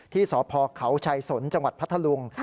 ที่สพเขาชัยสนจังหวัดพัทธลุง